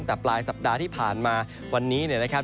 ตั้งแต่ปลายสัปดาห์ที่ผ่านมาวันนี้นะครับ